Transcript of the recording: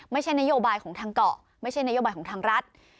ไม่ใช่นโยบายของทางเกาะไม่ใช่นโยบายของทางรัฐ